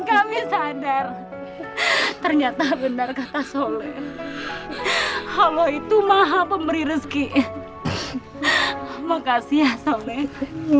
kami sadar ternyata benar kata sole kalau itu maha pemberi rezeki makasih ya sole